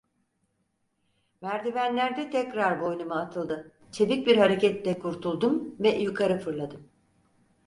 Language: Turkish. Merdivenlerde tekrar boynuma atıldı, çevik bir hareketle kurtuldum ve yukarı fırladım.